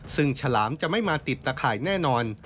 ซึ่งฉลามจะไม่มาติดตะข่ายแน่นอน